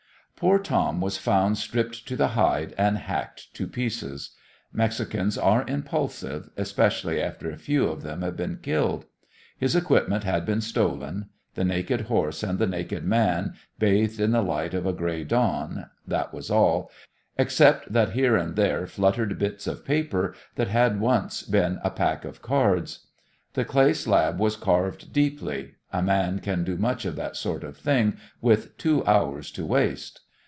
Poor Tom was found stripped to the hide, and hacked to pieces. Mexicans are impulsive, especially after a few of them have been killed. His equipment had been stolen. The naked horse and the naked man, bathed in the light of a gray dawn, that was all except that here and there fluttered bits of paper that had once been a pack of cards. The clay slab was carved deeply a man can do much of that sort of thing with two hours to waste.